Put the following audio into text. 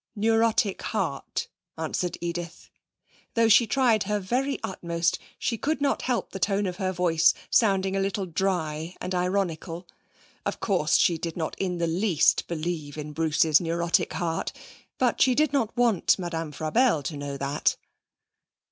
'Neurotic heart,' answered Edith. Though she tried her very utmost she could not help the tone of her voice sounding a little dry and ironical. Of course, she did not in the least believe in Bruce's neurotic heart, but she did not want Madame Frabelle to know that.